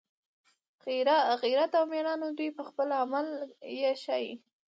غیرت او میړانه دوی په خپل عمل یې ښایي